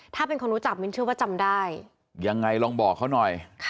ถ้าเป็นคนรู้จักมิ้นเชื่อว่าจำได้ยังไงลองบอกเขาหน่อย